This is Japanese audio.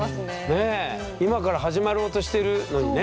今から始まろうとしてるのにね。